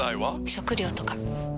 食料とか？